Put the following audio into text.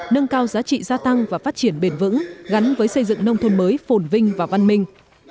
nâng cao giá trị gia tăng và phát triển bền vững gắn với xây dựng nông thôn mới phổn vinh và văn minh